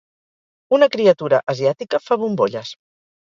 Una criatura asiàtica fa bombolles.